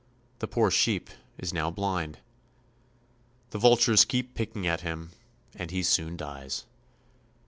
The poor sheep is now blind. The vultures keep picking at him, and he soon dies.